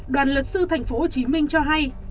đoàn luật sư tp hcm cho hay